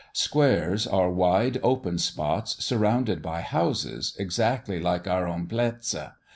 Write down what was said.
"Squares" are wide, open spots, surrounded by houses, exactly like our own "Plätze."